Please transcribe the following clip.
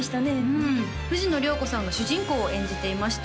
うん藤野涼子さんが主人公を演じていました